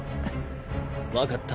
分かった。